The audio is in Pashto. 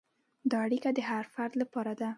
دا اړیکه د هر فرد لپاره ده.